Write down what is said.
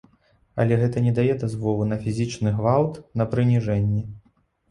Але гэта не дае дазволу на фізічны гвалт, на прыніжэнні.